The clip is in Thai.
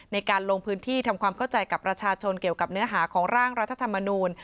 ในการลงพื้นที่ทำความเข้าใจกับประชาชนเกี่ยวกับเนื้อหาของร่างรัฐธรรมนูล